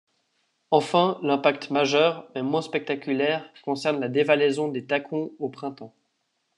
Enfin, l'impact majeur, mais moins spectaculaire, concerne la dévalaison des tacons au printemps.